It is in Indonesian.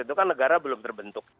itu kan negara belum terbentuk